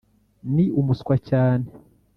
ni umuswa cyane.